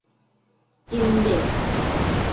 กินเด็ก